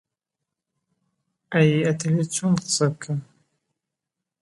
بە ڕاوێژی دەمی هەولێری بوو.